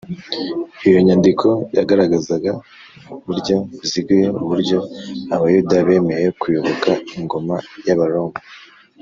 iyo nyandiko yagaragazaga mu buryo buziguye uburyo abayuda bemeye kuyoboka ingoma y’abaroma